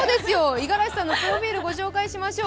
五十嵐さんのプロフィール御紹介しましょう。